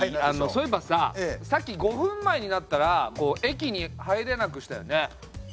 そういえばささっき５分前になったら駅に入れなくしたよね。